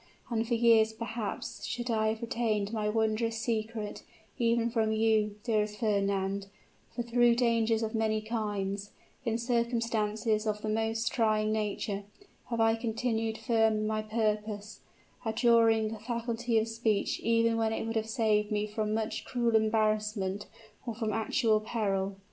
And for years, perhaps, should I have retained my wondrous secret even from you, dearest Fernand; for through dangers of many kinds in circumstances of the most trying nature, have I continued firm in my purpose; abjuring the faculty of speech even when it would have saved me from much cruel embarrassment or from actual peril.